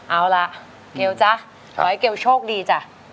เอาล่ะเกลจ๊ะขอให้เกลโชคดีจ้ะ